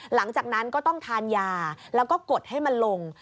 หลังจากนั้นก็ต้องทานยาแล้วก็กดให้มันลง